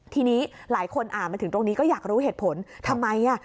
ทีนี้หลายคนอ่านมาถึงตรงนี้ก็อยากรู้เหตุผลทำไมอ่ะ